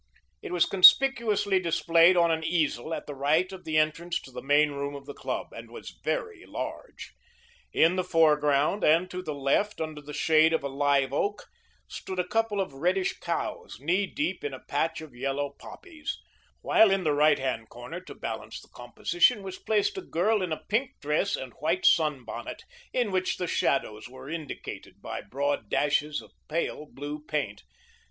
It was conspicuously displayed on an easel at the right of the entrance to the main room of the club, and was very large. In the foreground, and to the left, under the shade of a live oak, stood a couple of reddish cows, knee deep in a patch of yellow poppies, while in the right hand corner, to balance the composition, was placed a girl in a pink dress and white sunbonnet, in which the shadows were indicated by broad dashes of pale blue paint.